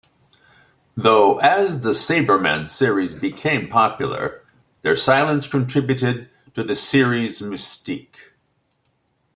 Though as the "Sabreman" series became popular, their silence contributed to the series' mystique.